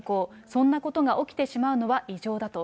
そんなことが起きてしまうのは異常だと。